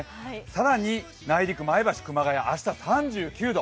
更に内陸、前橋、熊谷、明日は３９度。